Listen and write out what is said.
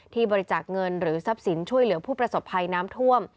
บริจาคเงินหรือทรัพย์สินช่วยเหลือผู้ประสบภัยน้ำท่วม